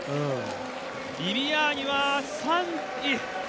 ビビアーニは３位。